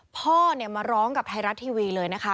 พ่อเนี่ยมาร้องกับไทยรัฐทีวีเลยนะคะ